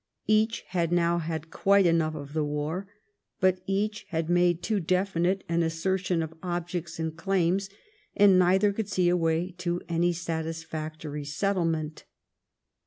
Each had now had quite enough of the war, but each had made too definite an assertion of objects and claims, and neither could see a way to any satisfactory settlement.